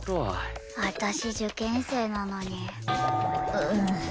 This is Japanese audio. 私受験生なのに。